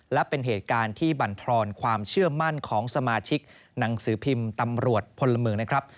และเป็นเหตุการณ์ที่บรรทอนความเชื่อมั่นของสมาชิกหนังสือพิมพ์ตำรวจพลเมืองนะครับ